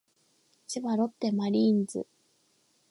千葉ロッテマリーンズ